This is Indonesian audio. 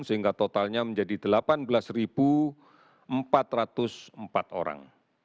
sehingga totalnya menjadi delapan belas empat ratus empat orang